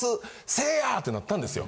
せいや！ってなったんですよ。